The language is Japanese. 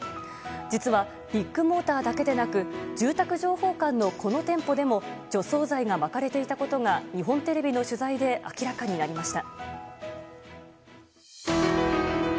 実はビッグモーターだけでなく住宅情報館のこの店舗でも除草剤がまかれていたことが日本テレビの取材で明らかになりました。